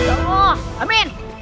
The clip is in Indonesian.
ya allah amin